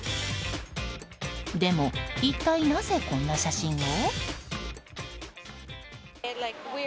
でも、一体なぜこんな写真を？